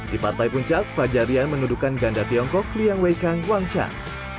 di partai puncak fajar rian menuduhkan ganda tiongkok liang weikang wangshan